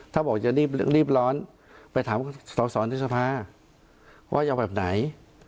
ถ้าบอกจะรีบร้อนไปถามสสนิสภาพว่ายาวแบบไหน